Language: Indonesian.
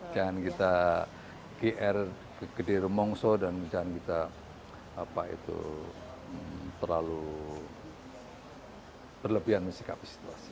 jangan kita gr kegedean remungso dan jangan kita terlalu berlebihan menikmati situasi